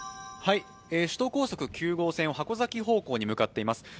首都高速９号線を箱崎方向に向かっています。